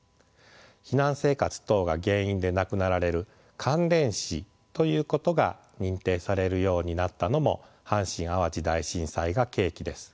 避難生活等が原因で亡くなられる関連死ということが認定されるようになったのも阪神・淡路大震災が契機です。